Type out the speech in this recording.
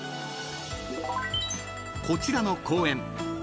［こちらの公園